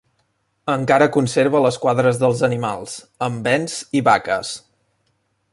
Encara conserva les quadres dels animals, amb bens i vaques.